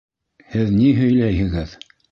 Һеҙ ни һөйләйһегеҙ?